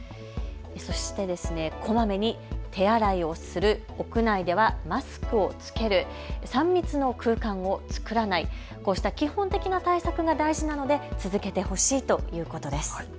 そして、こまめに手洗いをする、屋内ではマスクをつける、３密の空間を作らない、こうした基本的な対策が大事なので続けてほしいということです。